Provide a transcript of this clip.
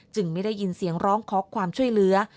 ไม่ได้ยินเสียงร้องขอความช่วยเหลือ